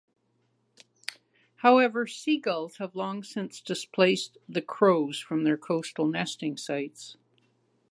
However, seagulls have long since displaced the crows from their coastal nesting sites.